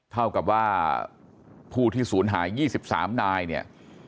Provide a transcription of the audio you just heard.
เท่ากับว่าผู้ที่ศูนย์หายยี่สิบสามนายเนี่ย